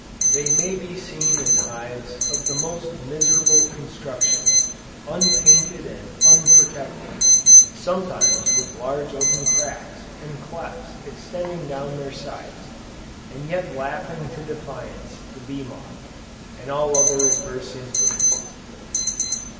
They may be seen in hives of the most miserable construction, unpainted and unprotected, sometimes with large open cracks and clefts extending down their sides, and yet laughing to defiance, the bee moth, and all other adverse influences.